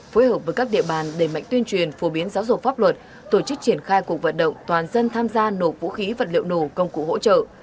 phối hợp với các địa bàn để mạnh tuyên truyền phổ biến giáo dục pháp luật tổ chức triển khai cuộc vận động toàn dân tham gia nổ vũ khí vật liệu nổ công cụ hỗ trợ